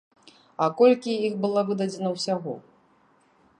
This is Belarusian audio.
А колькі іх было выдадзена ўсяго?